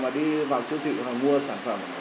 mà đi vào siêu thị hoặc mua sản phẩm